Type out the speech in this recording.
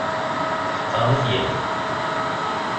Tḥeqqeɣ ad ak-yeɛjeb.